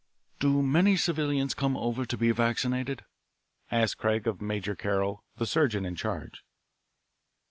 "Do many civilians come over to be vaccinated?" asked Craig of Major Carroll, the surgeon in charge.